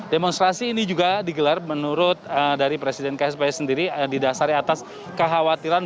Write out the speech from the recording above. demonstrasi ini juga digelar menurut dari presiden ksp sendiri di dasarnya atas kekhawatiran